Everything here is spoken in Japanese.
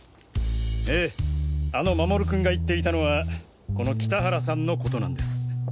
ええあの守君が言っていたのはこの北原さんの事なんです。